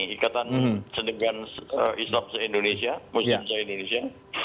ikatan sendirian islam indonesia muslim indonesia